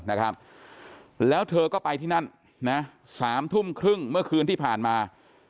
นะครับแล้วเธอก็ไปที่นั่นนะสามทุ่มครึ่งเมื่อคืนที่ผ่านมา